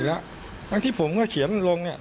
ตอนที่ที่ผมเฉียนมันลงเนี่ย